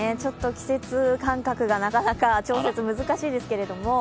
季節感覚がなかなか調節が難しいですけれども。